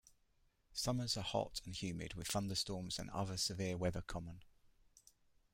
Summers are hot and humid, with thunderstorms and other severe weather common.